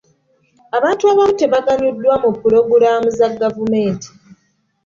Abantu abamu tebaganyuddwa mu pulogulaamu za gavumenti.